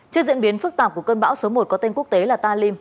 trước diễn biến phức tạp của cơn bão số một có tên quốc tế là ta lim